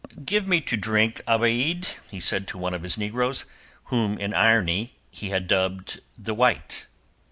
Give me to drink, Abiad," he said to one of his negroes, whom in irony he had dubbed "the White."